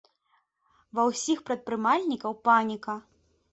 Ва ўсіх прадпрымальнікаў паніка.